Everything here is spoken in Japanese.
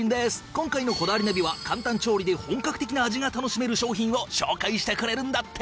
今回の『こだわりナビ』は簡単調理で本格的な味が楽しめる商品を紹介してくれるんだって。